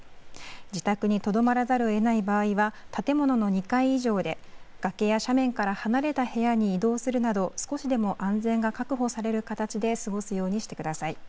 自宅にとどまらざるをえない場合は、建物の２階以上で、崖や斜面から離れた部屋に移動するなど、少しでも安全が確保される形で、過ごすようにしてください。